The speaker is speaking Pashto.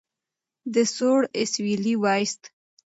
ده سوړ اسویلی وایست.